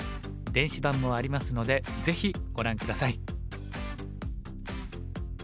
電子版もありますのでぜひご覧下さい。